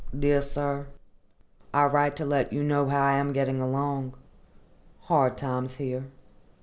DEAR SIR:—I write to let you know how I am getting along. Hard times here.